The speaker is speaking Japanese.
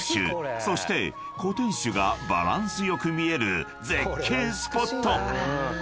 ［そして小天守がバランス良く見える絶景スポット！］